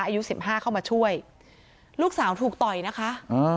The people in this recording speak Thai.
อายุสิบห้าเข้ามาช่วยลูกสาวถูกต่อยนะคะอ่า